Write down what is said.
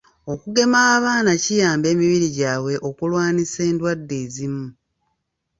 Okugema abaana kiyamba emibiri gyabwe okulwanisa endwadde ezimu.